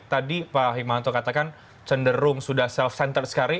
tadi pak hikmanto katakan cenderung sudah self centered sekali